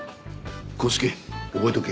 康介覚えておけ。